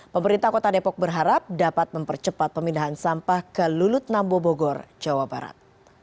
pemerintah kota depok berharap dapat mempercepat pemindahan sampah ke lulut nambobogor jawa barat